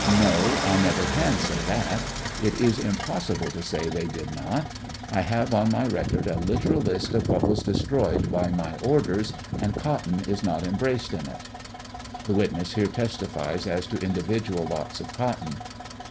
No, I never can say that; it is impossible to say they did not ; I have on my record a literal list of what was destroyed by my orders, and cotton is not em braced in it. (The witness here testifies as to individual lots of cotton.)